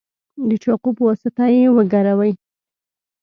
د چاقو په واسطه یې وګروئ.